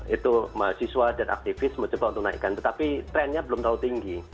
itu mahasiswa dan aktivis mencoba untuk naikkan tetapi trennya belum terlalu tinggi